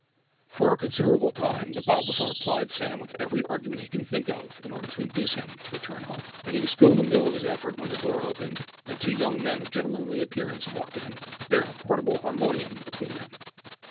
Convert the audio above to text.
For a considerable time the Bible seller plied Sam with every argument he could think of in order to induce him to return home, and he was still in the middle of his effort when the door opened, and two young men of gentlemanly appearance walked in, bearing a portable harmonium between them.